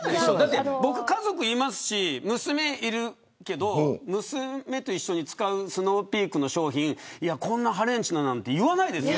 僕、家族いますし、娘いるけど娘と一緒に使うスノーピークの商品、こんな破廉恥ななんて言わないです。